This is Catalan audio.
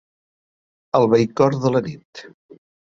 Al bell cor de la nit.